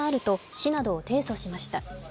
市などを提訴しました。